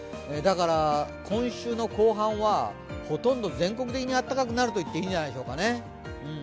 だから、今週の後半はほとんど全国的に暖かくなるといっていいんじゃないでしょうかね。